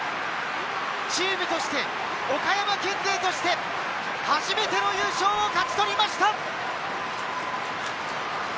チームとして、岡山県勢として、初めての優勝を勝ちとりました！